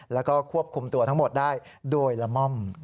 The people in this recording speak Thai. แล้วก็ควบคุมตัวทั้งหมดได้โดยละม่อม